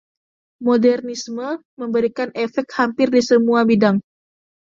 Modernisme memberikan efek hampir di semua bidang.